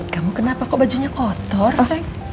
kamu kenapa kok bajunya kotor